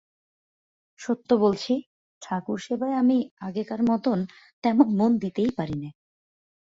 সত্য বলছি, ঠাকুর-সেবায় আমি আগেকার মতো তেমন মন দিতেই পারি নে।